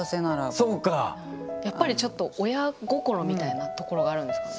やっぱりちょっと親心みたいなところがあるんですか？